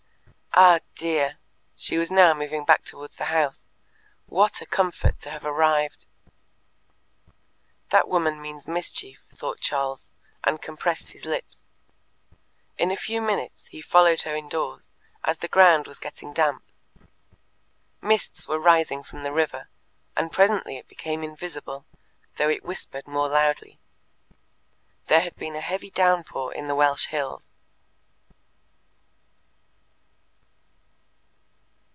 Ah, dear" she was now moving back towards the house "what a comfort to have arrived!" "That woman means mischief," thought Charles, and compressed his lips. In a few minutes he followed her indoors, as the ground was getting damp. Mists were rising from the river, and presently it became invisible, though it whispered more loudly. There had been a heavy downpour in the Welsh hills.